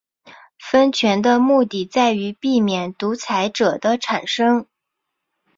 分权的目的在于避免独裁者的产生。